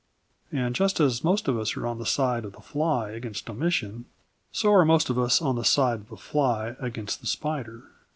'" And just as most of us are on the side of the fly against Domitian, so are most of us on the side of the fly against the spider.